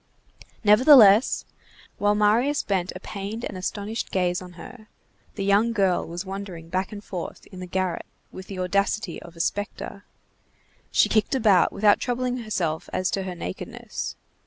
Nevertheless, while Marius bent a pained and astonished gaze on her, the young girl was wandering back and forth in the garret with the audacity of a spectre. She kicked about, without troubling herself as to her nakedness.